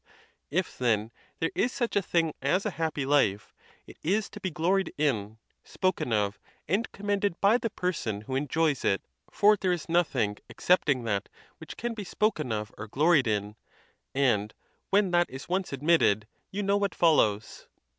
If, then, there is such a thing as a happy life, it is to be gloried in, spoken of, and commended by the person who enjoys it; for there is nothing excepting that which can be spoken of or gloried in; and when that is once admit ted, you know what follows.